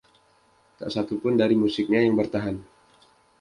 Tak satu pun dari musiknya yang bertahan.